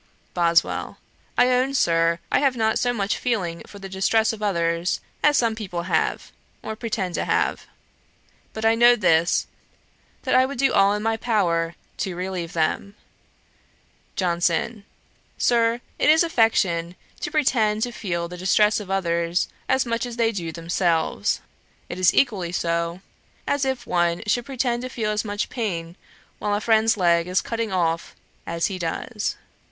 BOSWELL. 'I own, Sir, I have not so much feeling for the distress of others, as some people have, or pretend to have: but I know this, that I would do all in my power to relieve them.' JOHNSON. 'Sir, it is affectation to pretend to feel the distress of others, as much as they do themselves. It is equally so, as if one should pretend to feel as much pain while a friend's leg is cutting off, as he does.